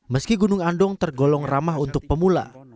meski gunung andong tergolong ramah untuk pemula